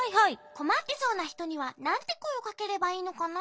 こまってそうなひとにはなんてこえをかければいいのかな？